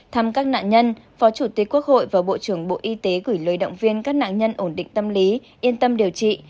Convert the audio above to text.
thăm các nạn nhân phó chủ tịch quốc hội và bộ trưởng bộ y tế gửi lời động viên các nạn nhân ổn định tâm lý yên tâm điều trị